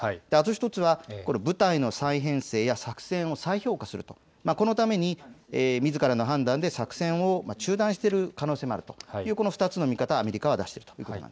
あと１つは、部隊の再編成や作戦を再評価する、このためにみずからの判断で作戦を中断している可能性もある、この２つの見方をアメリカは出しています。